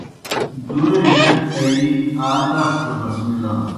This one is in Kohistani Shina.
دُورے جک آیِی آ داس دہ بسمِلان۔